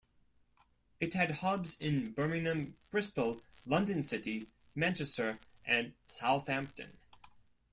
It had hubs in Birmingham, Bristol, London City, Manchester and Southampton.